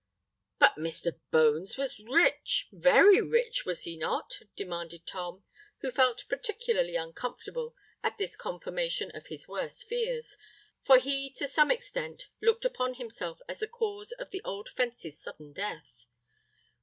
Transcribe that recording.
"But Mr. Bones was rich—very rich—was he not?" demanded Tom, who felt particularly uncomfortable at this confirmation of his worst fears—for he to some extent looked upon himself as the cause of the old fence's sudden death.